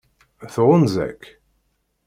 Tɣunza-k?